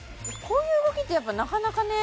こういう動きってやっぱなかなかね